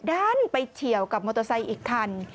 ด้านไปเฉียวกับมอเตอร์ไซค์อีกคัน